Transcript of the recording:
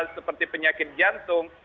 seperti penyakit jantung